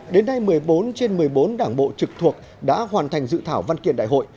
đến nay một mươi bốn trên một mươi bốn đảng bộ trực thuộc đã hoàn thành dự thảo văn kiện đại hội